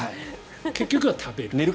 結局は食べる。